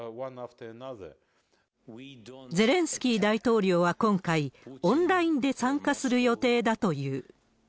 ゼレンスキー大統領は今回、オンラインで参加する予定だという。